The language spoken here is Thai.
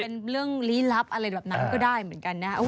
เป็นเรื่องลี้ลับอะไรแบบนั้นก็ได้เหมือนกันนะ